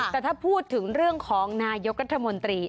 แต่ถ้าพูดถึงเรื่องของนายกรัฐมนตรี